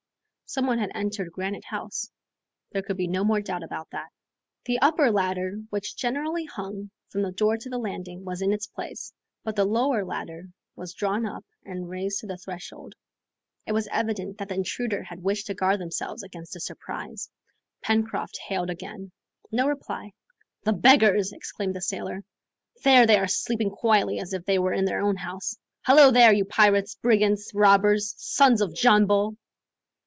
Some one had entered Granite House there could be no more doubt about that. The upper ladder, which generally hung from the door to the landing, was in its place, but the lower ladder was drawn up and raised to the threshold. It was evident that the intruders had wished to guard themselves against a surprise. Pencroft hailed again. No reply. "The beggars," exclaimed the sailor. "There they are sleeping quietly as if they were in their own house. Hallo there, you pirates, brigands, robbers, sons of John Bull!"